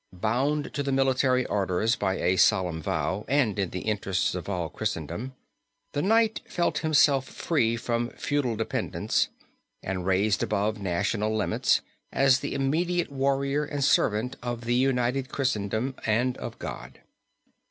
Bound to the military orders by a solemn vow and in the interests of all Christendom the knight felt himself free from feudal dependence, and raised above national limits, as the immediate warrior and servant of the united Christendom and of God.